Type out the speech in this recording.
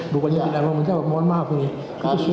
bukannya tidak mau menjawab mohon maaf ini itu surat surat